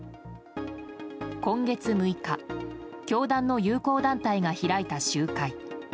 今月６日、教団の友好団体が開いた集会。